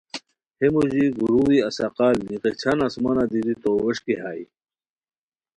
ہے موژی گوروڑی اسقال دی غیچھان آسمانہ دیتی تو ووݰکی ہائے